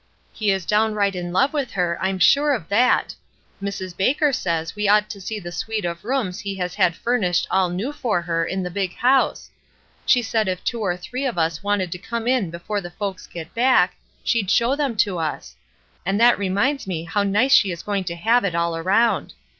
"He is downright in love with her, I'm sure of that. Mrs. Baker says we ought to see the suite of rooms he has had furnished aU new for her in the big house. She said if two or three of us wanted to come in before the folks get back, she'd show them to us. And that re minds me how nice she is going to have it all around.